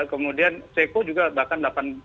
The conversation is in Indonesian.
kemudian ceko juga bahkan delapan belas